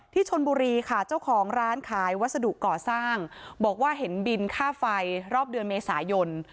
ชนบุรีค่ะเจ้าของร้านขายวัสดุก่อสร้างบอกว่าเห็นบินค่าไฟรอบเดือนเมษายน